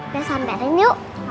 biar samberin yuk